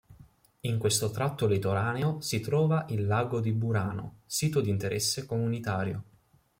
In questo tratto litoraneo si trova il Lago di Burano, sito di interesse comunitario.